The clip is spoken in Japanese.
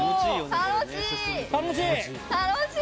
楽しい！